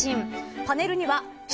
パネルには祝！